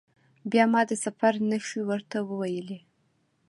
بیا ما د سفر نښې ورته وویلي.